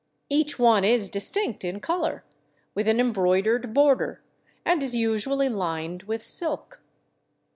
Each one is distinct in color, with an embroidered border, and is usually lined with silk.